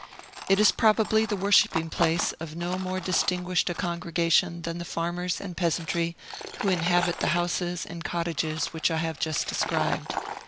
It is probably the worshipping place of no more distinguished a congregation than the farmers and peasantry who inhabit the houses and cottages which I have just described.